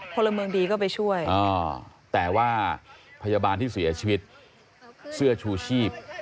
พลเมืองดีก็ไปช่วยแต่ว่าพยาบาลที่เสียชีวิตเสื้อชูชีพ